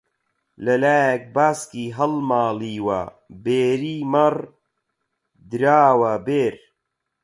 لەلایەک باسکی هەڵماڵیوە بێری مەڕ دراوە بێر